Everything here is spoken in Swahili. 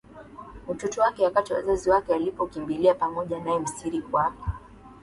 utoto wake wakati wazazi wake walipokimbilia pamoja naye Misri kwa